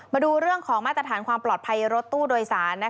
มาดูเรื่องของมาตรฐานความปลอดภัยรถตู้โดยสาร